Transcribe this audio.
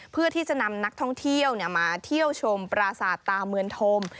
เพื่อที่จะนำนักท่องเที่ยวมาเที่ยวชมปราสาทตาเมืองธม